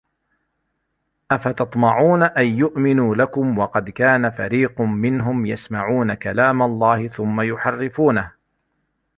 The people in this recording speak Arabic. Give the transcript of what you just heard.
أَفَتَطْمَعُونَ أَنْ يُؤْمِنُوا لَكُمْ وَقَدْ كَانَ فَرِيقٌ مِنْهُمْ يَسْمَعُونَ كَلَامَ اللَّهِ ثُمَّ يُحَرِّفُونَهُ